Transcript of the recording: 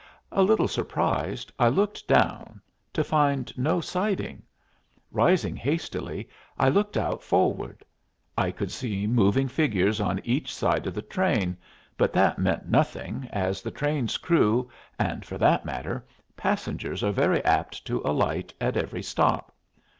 A little surprised, I looked down, to find no siding. Rising hastily, I looked out forward. I could see moving figures on each side of the train, but that meant nothing, as the train's crew, and, for that matter, passengers, are very apt to alight at every stop.